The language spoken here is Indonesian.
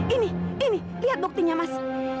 ini ini lihat buktinya mas